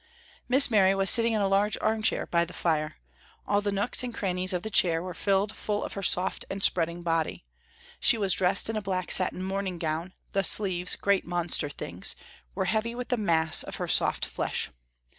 Miss Mary was sitting in a large armchair by the fire. All the nooks and crannies of the chair were filled full of her soft and spreading body. She was dressed in a black satin morning gown, the sleeves, great monster things, were heavy with the mass of her soft flesh.